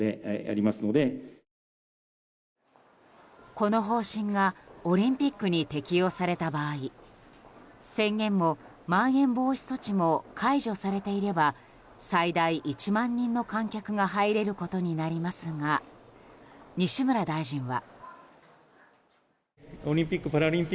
この方針がオリンピックに適用された場合宣言も、まん延防止措置も解除されていれば最大１万人の観客が入れることになりますが西村大臣は。